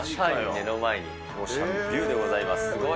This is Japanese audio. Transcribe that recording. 目の前にオーシャンビューでございます。